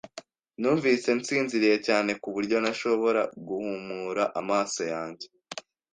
Numvise nsinziriye cyane ku buryo ntashobora guhumura amaso yanjye.